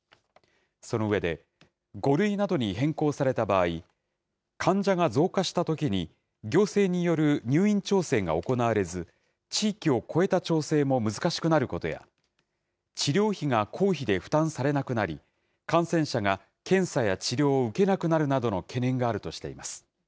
その上で、５類などに変更された場合、患者が増加したときに、行政による入院調整が行われず、地域を越えた調整も難しくなることや、治療費が公費で負担されなくなり、感染者が検査や治療を受けなくなるなどの懸念があるとしています。